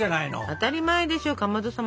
当たり前でしょかまど様ですよ。